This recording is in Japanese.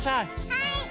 はい！